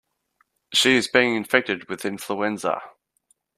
She is being infected with influenza.